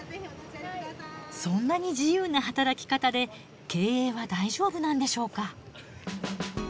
そんなに自由な働き方で経営は大丈夫なんでしょうか？